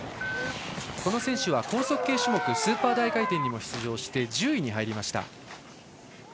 この選手は高速系種目スーパー大回転にも出場して１０位に入りました。